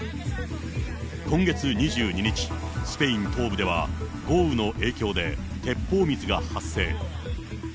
今月２２日、スペイン東部では、豪雨の影響で、鉄砲水が発生。